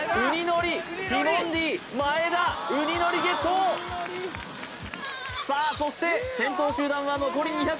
のりティモンディ・前田雲丹のりゲットさあそして先頭集団は残り２００ｍ